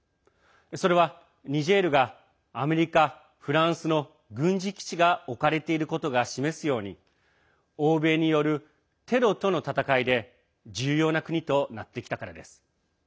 それはニジェールがアメリカ、フランスの軍事基地が置かれていることが示すように欧米によるテロとの戦いで重要な国となってきたからです。